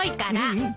うん？